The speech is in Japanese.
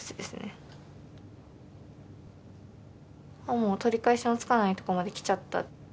もう取り返しのつかないとこまで来ちゃった。